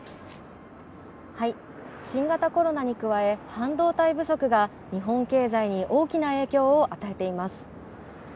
新型コロナに加え、半導体不足が日本経済に大きな影響を与えています。